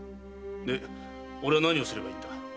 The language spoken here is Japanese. で俺は何をすればいいんだ？